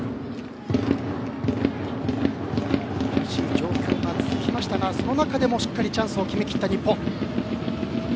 苦しい状況が続きましたがその中でもしっかりチャンスを決めきった日本。